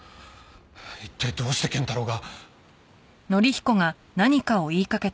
一体どうして賢太郎が。